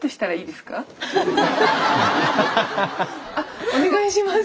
あお願いします。